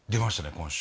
今週。